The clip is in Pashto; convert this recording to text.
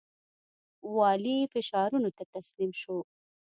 والي فشارونو ته تسلیم شو.